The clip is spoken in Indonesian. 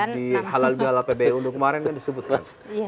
di halal halal pbu kemarin kan disebutkan